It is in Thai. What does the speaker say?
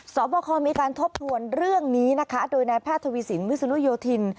สปขมีการทบทวนเรื่องนี้นะคะโดยนพศวิสินมิสูญญโยธิน